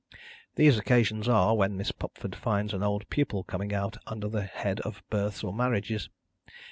These occasions are, when Miss Pupford finds an old pupil coming out under the head of Births, or Marriages.